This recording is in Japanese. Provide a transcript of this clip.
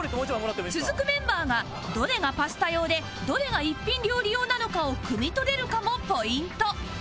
続くメンバーがどれがパスタ用でどれが一品料理用なのかをくみ取れるかもポイント